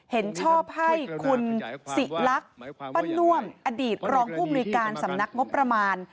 เห็นชอบให้คุณศิลักษณ์ปั้นน่วมอดีตรองผู้มนุยการสำนักงบประมาณ